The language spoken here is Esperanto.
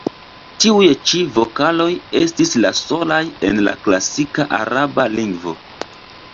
Tiuj ĉi vokaloj estis la solaj en la klasika araba lingvo.